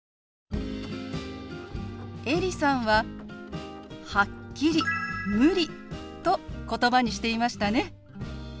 エリさんははっきり「無理」と言葉にしていましたね。